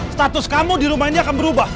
status kamu di rumah ini akan berubah